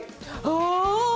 ああ！